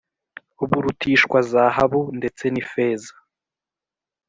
Burutishwa zahabu ndetse n’ifeza